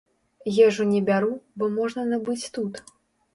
Ежу не бяру, бо можна набыць тут.